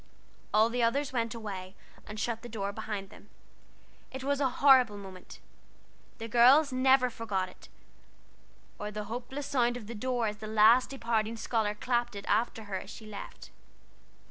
All the others went away, and shut the door behind them. It was a horrible moment: the girls never forgot it, or the hopeless sound of the door as the last departing scholar clapped it after her as she left.